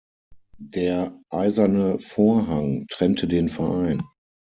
Der „Eiserne Vorhang“ trennte den Verein.